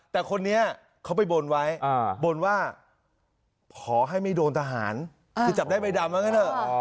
แต่คนนี้เขาไปบนไว้บนว่าขอให้ไม่โดนทหารคือจับได้ใบดำว่างั้นเถอะ